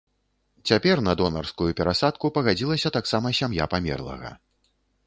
Цяпер на донарскую перасадку пагадзілася таксама сям'я памерлага.